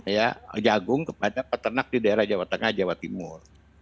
ya jagung kepada peternak di daerah jawa tengah jawa timur